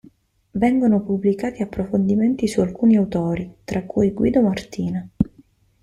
Vengono pubblicati approfondimenti su alcuni autori, tra cui Guido Martina.